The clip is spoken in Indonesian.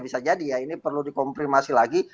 bisa jadi ya ini perlu dikomprimasi lagi